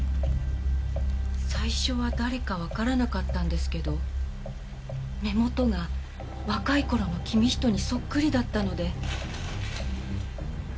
最初は誰かわからなかったんですけど目元が若い頃の公仁にそっくりだったので。